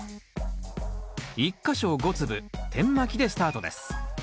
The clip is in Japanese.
１か所５粒点まきでスタートです